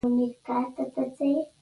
له آرشیفه چې راووتلو همت منتظر و.